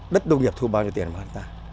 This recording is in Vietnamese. đất đô nghiệp thu bao nhiêu tiền mấy hectare